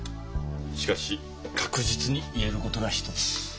しかし確実に言えることが一つ。